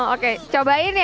oke cobain ya